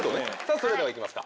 それでは行きますか。